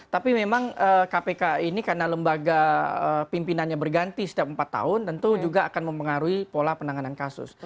tapi memang kpk ini karena lembaga pimpinannya berganti setiap empat tahun tentu juga akan mempengaruhi pola penanganan kasus